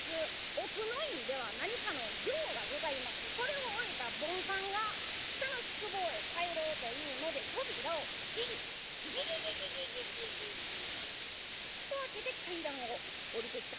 奥の院では何かの行がございましてそれを終えた坊さんが下の宿坊へ帰ろうというので扉をギギギギギギギギギーと開けて階段を下りてきた。